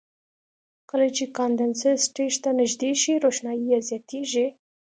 کله چې کاندنسر سټیج ته نږدې شي روښنایي یې زیاتیږي.